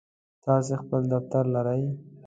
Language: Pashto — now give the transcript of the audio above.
تاسی خپل دفتر لرئ؟